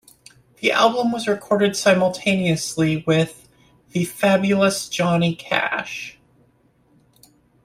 The album was recorded simultaneously with "The Fabulous Johnny Cash".